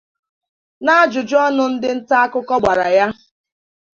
N'ajụjụọnụ ndị nta akụkọ gbara ya